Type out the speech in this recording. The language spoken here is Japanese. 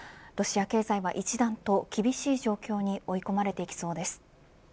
ロシア経済は一段と厳しい状況に追い込まれていきそうです。